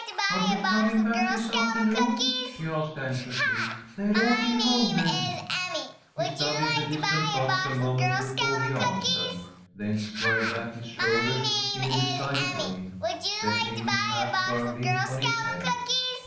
"Aren't you coming back this afternoon?" she asked, anxiously. "They'll all be home then." He studied the distant buttes a moment before he answered, then squared back his shoulders in a decided way, settling his hat firmly on his head.